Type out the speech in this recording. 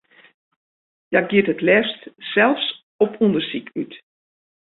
Hja giet it leafst sels op ûndersyk út.